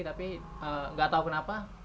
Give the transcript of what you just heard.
tapi nggak tahu kenapa